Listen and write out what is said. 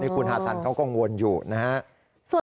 คุณฮาซันเขาก็งวนอยู่นะครับ